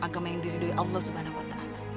agama yang diridui allah swt